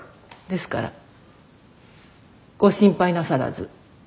ですからご心配なさらず。